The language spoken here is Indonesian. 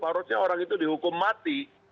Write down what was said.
harusnya orang itu dihukum mati